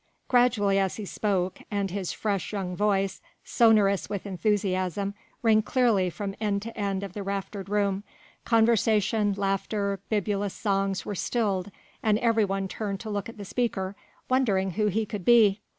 Gradually as he spoke and his fresh young voice, sonorous with enthusiasm rang clearly from end to end of the raftered room, conversation, laughter, bibulous songs were stilled and every one turned to look at the speaker, wondering who he could be.